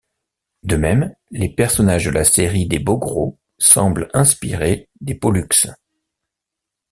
De même, les personnages de la série des Bogros semblent inspirés des Polluks.